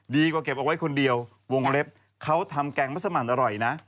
เก็บเอาไว้คนเดียววงเล็บเขาทำแกงมัสมันอร่อยนะ